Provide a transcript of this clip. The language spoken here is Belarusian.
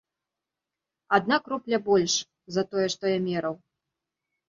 Адна кропля больш, за тое, што я мераў.